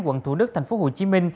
quận thủ đức tp hcm